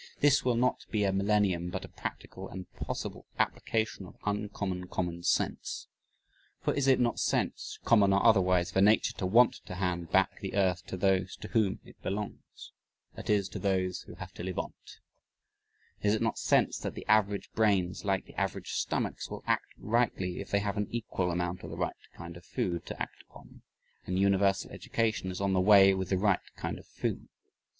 This will not be a millennium but a practical and possible application of uncommon common sense. For is it not sense, common or otherwise, for Nature to want to hand back the earth to those to whom it belongs that is, to those who have to live on it? Is it not sense, that the average brains like the average stomachs will act rightly if they have an equal amount of the right kind of food to act upon and universal education is on the way with the right kind of food?